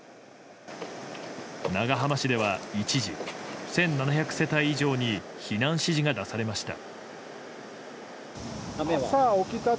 長浜市では一時１７００世帯以上に避難指示が出されました。